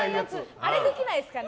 あれできないですかね。